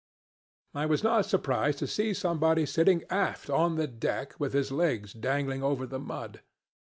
"I was not surprised to see somebody sitting aft, on the deck, with his legs dangling over the mud.